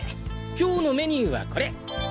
今日のメニューはこれ！